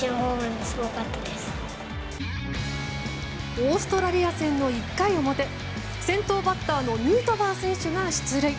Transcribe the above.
オーストラリア戦の１回表先頭バッターのヌートバー選手が出塁。